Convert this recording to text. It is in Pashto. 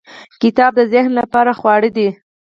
• کتاب د ذهن لپاره خواړه دی.